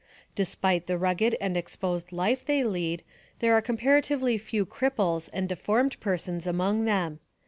Despite the rugged and exposed life they lead, there are comparatively few cripples and deformed persons among them.